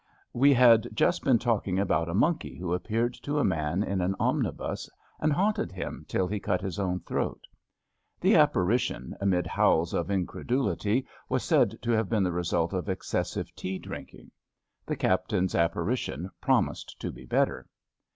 We had just been talking about a monkey who appeared to a man in an omnibus, and haunted him till he cut his own throat. The apparition, amid howls A MENAGEEIE ABOAED 21 of incredulity, was said to have been the result of excessive tea drinking. The Captain *s appari tion promised to be better.